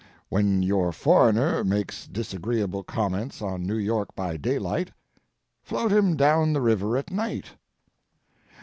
When your foreigner makes disagreeable comments on New York by daylight, float him down the river at night.